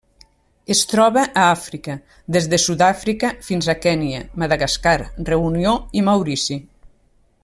Es troba a Àfrica: des de Sud-àfrica fins a Kenya, Madagascar, Reunió i Maurici.